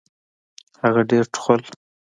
هغه ډېر ټوخل .